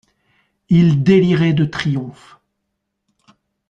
Il délirait de triomphe.